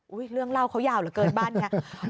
อุ๊ยเรื่องเล่าเขายาวเหลือเกินบ้านอย่างนี้